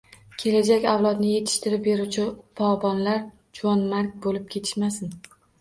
Kelajak avlodni yetishtirib beruvchi bog‘bonlar juvonmarg bo‘lib ketishmasin.